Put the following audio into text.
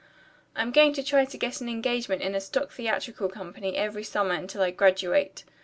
"I'm going to try to get an engagement in a stock theatrical company every summer until I graduate.